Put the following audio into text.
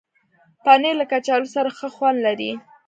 پنېر له کچالو سره ښه خوند لري.